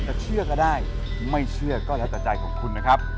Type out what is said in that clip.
เชื่อก็ได้ไม่เชื่อก็แล้วแต่ใจของคุณนะครับ